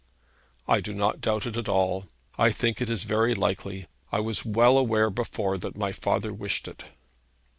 'I do not doubt it at all. I think it is very likely. I was well aware before that my father wished it.'